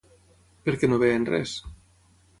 Per què no veien res?